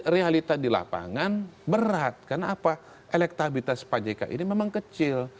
realita di lapangan berat karena apa elektabilitas pak jk ini memang kecil